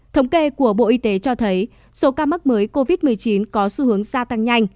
thống kê của bộ y tế cho thấy số ca mắc mới covid một mươi chín có xu hướng gia tăng nhanh